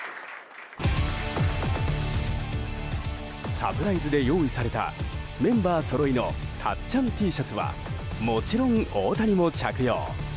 サプライズで用意されたメンバーそろいのたっちゃんＴシャツはもちろん大谷も着用。